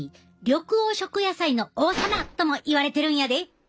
緑黄色野菜の王様ともいわれてるんやで。